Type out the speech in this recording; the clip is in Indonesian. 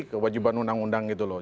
kewajiban undang undang gitu loh